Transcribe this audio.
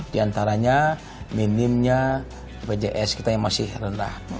di antaranya minimnya bjs kita yang masih rendah